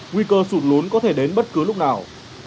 nguy cơ sụt lún có thể đến bất cứ lúc nào